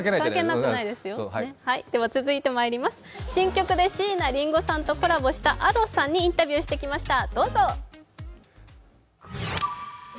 続いて、新曲で椎名林檎さんとコラボしたＡｄｏさんにインタビューしてきました。